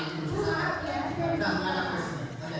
lagi sekali lagi